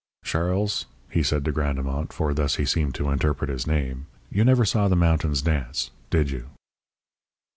"Charles," he said to Grandemont for thus he seemed to interpret his name "you never saw the mountains dance, did you?"